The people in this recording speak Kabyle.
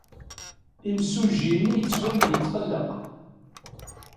Imsujji-nni yettban-d yetqelleq.